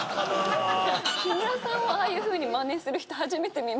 木村さんをああいうふうにマネする人初めて見ました。